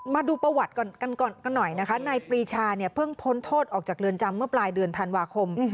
มาดูประวัติก่อนกันหน่อยนะคะนายปรีชาเนี่ยเพิ่งพ้นโทษออกจากเรือนจำเมื่อปลายเดือนธันวาคม